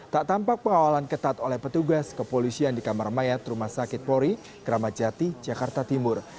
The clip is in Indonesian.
tak tampak pengawalan ketat oleh petugas kepolisian di kamar mayat rumah sakit polri kramat jati jakarta timur